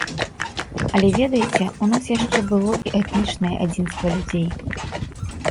Але, ведаеце, у нас яшчэ было і этнічнае адзінства людзей.